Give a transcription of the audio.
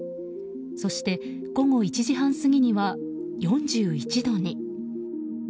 そして午後１時半過ぎには４１度に。